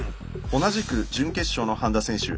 同じく準決勝の半田選手。